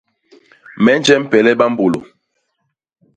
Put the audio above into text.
Me nje mpele bambôlô.